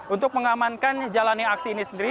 untuk mengamankan jalannya aksi ini sendiri